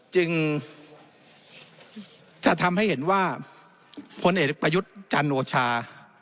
จึงจะทำให้เห็นว่าพลเอกประยุทธ์จันโอชา